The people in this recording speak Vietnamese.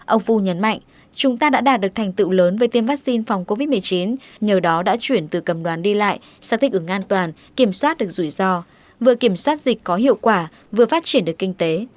ông fu nhấn mạnh chúng ta đã đạt được thành tựu lớn về tiêm vaccine phòng covid một mươi chín nhờ đó đã chuyển từ cầm đoàn đi lại sang thích ứng an toàn kiểm soát được rủi ro vừa kiểm soát dịch có hiệu quả vừa phát triển được kinh tế